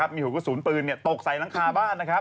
มีหัวกระสุนปืนตกใส่หลังคาบ้านนะครับ